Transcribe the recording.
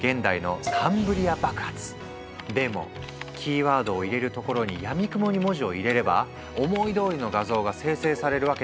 でもキーワードを入れるところにやみくもに文字を入れれば思いどおりの画像が生成されるわけではない。